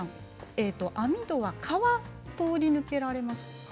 網戸は蚊は通り抜けられますか？